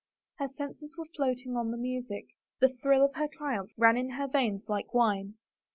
Her senses were floating on the music. The thrill of her triumph ran in her veins like wine.